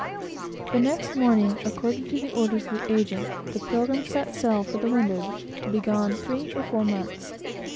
The next morning, according to the orders of the agent, the Pilgrim set sail for the windward, to be gone three or four months.